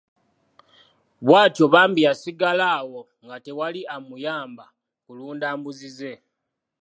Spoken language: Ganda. Bwatyo bambi yasigala awo nga tewali amuyamba kulunda mbuzi ze.